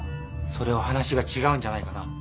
それは話が違うんじゃないかな？